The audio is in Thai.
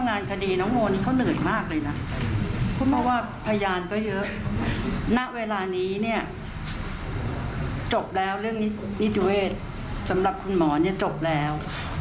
นี่เนี่ยจบแล้วเรื่องนิติเวศสำหรับคุณหมอเนี่ยจบแล้ว